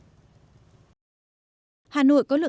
hà nội có lượng nước cải trí